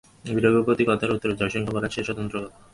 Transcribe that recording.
এইজন্য রঘুপতির কথার উত্তরে জয়সিংহ বলিলেন, সে স্বতন্ত্র কথা।